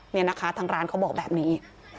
นี่นะคะทางร้านเขาบอกแบบนี้